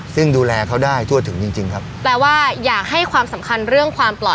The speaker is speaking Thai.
ซึ่งดูแลเขาได้ทั่วถึงจริงจริงครับแปลว่าอยากให้ความสำคัญเรื่องความปลอด